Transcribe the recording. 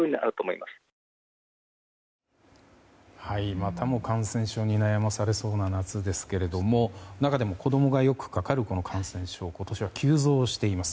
またも感染症に悩まされそうな夏ですが中でも子供がよくかかるこの感染症今年は急増しています。